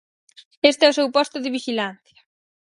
Este é o seu posto de vixilancia.